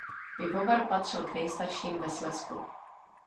Pivovar patřil k nejstarším ve Slezsku.